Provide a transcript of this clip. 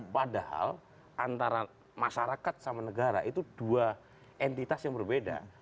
padahal antara masyarakat sama negara itu dua entitas yang berbeda